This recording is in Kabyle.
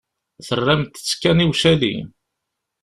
Terramt-tt kan i ucali.